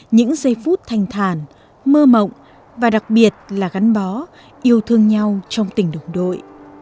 những giây phút thanh thản mơ mộng và đặc biệt là gắn bó yêu thương nhau trong tình đồng đội